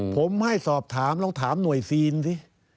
ผมให้สอบถามลองถามหน่วยซีนสิ